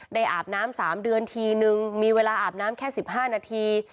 อาบน้ำ๓เดือนทีนึงมีเวลาอาบน้ำแค่๑๕นาที